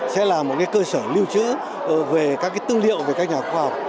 sẽ là một cơ sở lưu trữ về các tư liệu về các nhà khoa học